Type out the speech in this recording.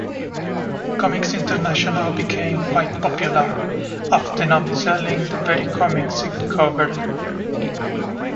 Comics International became quite popular, often outselling the very comics it covered.